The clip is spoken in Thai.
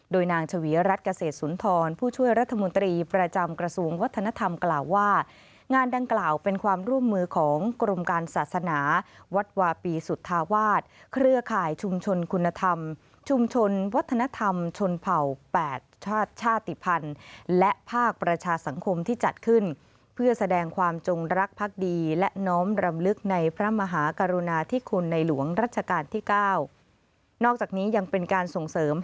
โดยนางเฉวียรัฐเกษตรสุนทรผู้ช่วยรัฐมนตรีประจำกระทรวงวัฒนธรรมกล่าวว่างานดังกล่าวเป็นความร่วมมือของกรมการศาสนาวัดวาปีสุธาวาสเครือค่ายชุมชนคุณธรรมชุมชนวัฒนธรรมชนเผ่า๘ชาติภัณฑ์และภาคประชาสังคมที่จัดขึ้นเพื่อแสดงความจงรักพรรคดีและน้อ